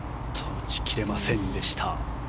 打ち切れませんでした。